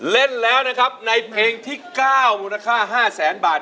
เล่นแล้วนะครับในเพลงที่๙มูลค่า๕แสนบาท